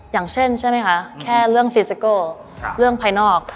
อย่างเช่นใช่ไหมคะแค่เรื่องซีซิโก้เรื่องภายนอก